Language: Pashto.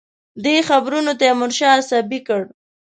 دې خبرونو تیمورشاه عصبي کړ.